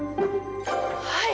はい！